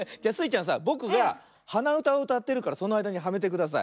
ちゃんさぼくがはなうたをうたってるからそのあいだにはめてください。